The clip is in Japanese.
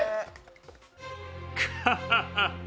ハハハハ。